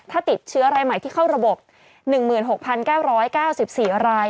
ถ้าติดเชื้อรายใหม่ที่เข้าระบบ๑๖๙๙๔ราย